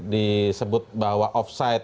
disebut bahwa offside